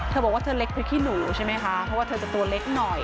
เธอบอกว่าเธอเล็กพริกขี้หนูใช่ไหมคะเพราะว่าเธอจะตัวเล็กหน่อย